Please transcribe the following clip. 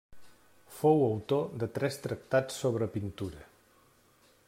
Fou autor de tres tractats sobre pintura.